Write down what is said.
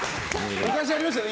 昔ありましたよね。